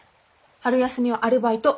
春休みはアルバイト。